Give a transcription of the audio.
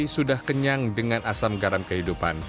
sudah kenyang dengan asam garam kehidupan